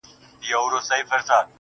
چي تا تر دې لا هم ښايسته كي گراني